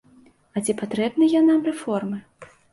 А ці патрэбныя нам рэформы?